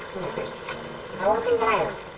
温泉じゃないの？